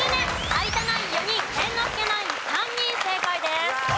有田ナイン４人猿之助ナイン３人正解です。